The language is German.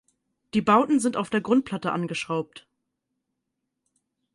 Die Bauten sind auf der Grundplatte angeschraubt.